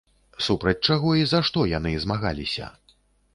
Супраць чаго і за што яны змагаліся?